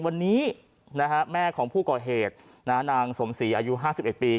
วันนี้นะฮะแม่ของผู้ก่อเหตุนางสมศรีอายุห้าสิบเอ็ดปี